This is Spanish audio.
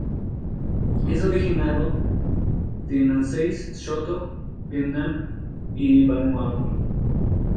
Es originario de Nansei-shoto, Vietnam a Vanuatu.